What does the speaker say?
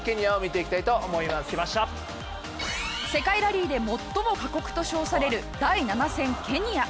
世界ラリーで最も過酷と称される第７戦ケニア。